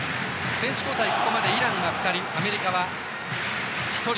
選手交代、ここまでイランが２人アメリカは１人。